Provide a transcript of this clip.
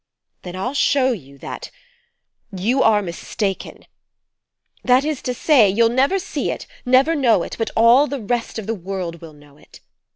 Then I'll show you that you are mistaken. That is to say you'll never see it, never know it, but all the rest of the world will know It.